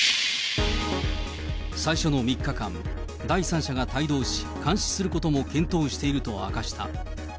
最初の３日間、第三者が帯同し、監視することも検討していると明かした。